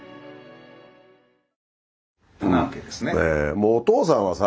もうお父さんはさ